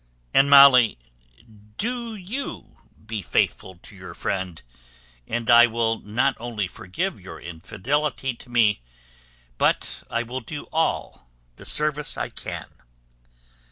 And, Molly, do you be faithful to your friend, and I will not only forgive your infidelity to me, but will do you all the service I can."